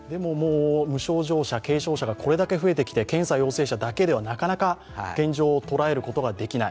無症状者軽症者がこれだけ増えてきて検査陽性者だけではなかなか現状を捉えることができない。